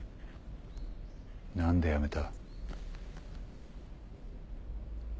何でやめた？